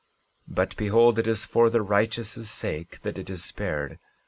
13:14 But behold, it is for the righteous' sake that it is spared.